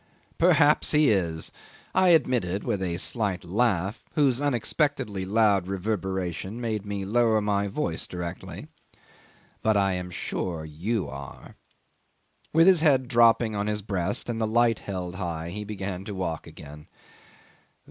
"Perhaps he is," I admitted with a slight laugh, whose unexpectedly loud reverberation made me lower my voice directly; "but I am sure you are." With his head dropping on his breast and the light held high he began to walk again.